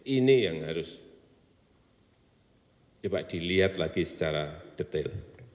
ini yang harus coba dilihat lagi secara detail